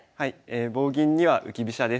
「棒銀には浮き飛車」です。